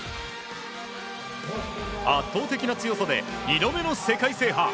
圧倒的な強さで２度目の世界制覇。